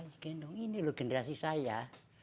ini loh generasi saya